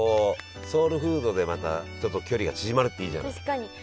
ソウルフードでまたちょっと距離が縮まるっていいじゃない。